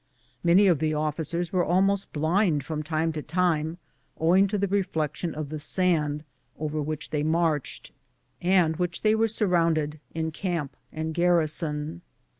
Many of the officers were almost blind from time to time, owing to tlie reflection of the sand over which tliey marched, and with which they w^ere surrounded in camp and garrison.